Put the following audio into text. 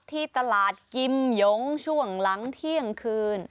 ที่ตลาดกิมหยงช่วงหลังเที่ยงคืน